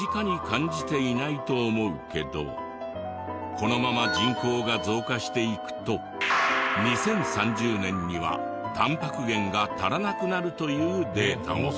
このまま人口が増加していくと２０３０年にはタンパク源が足らなくなるというデータも。